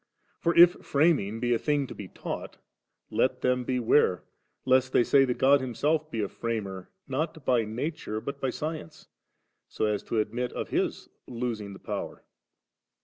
For if framing be a thing to be taught, let them beware lest they say that God Himself be a Framer not by nature but by science, so as to admit of His losing the power.